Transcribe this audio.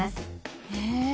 へえ。